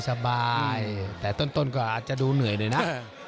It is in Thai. สบายแต่ต้นก็อาจจะดูเหนื่อยหน่อยนะ